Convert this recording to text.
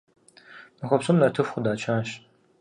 Махуэ псом нартыху къыдачащ.